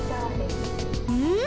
うん？